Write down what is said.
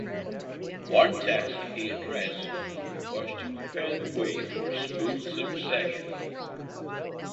One task he addressed was to prepare the way for a smooth succession.